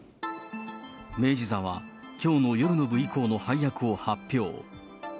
明治座は、きょうの夜の部以降の配役を発表。